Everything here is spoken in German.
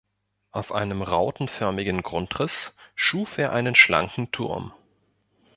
Auf einem rautenförmigen Grundriss schuf er einen schlanken Turm.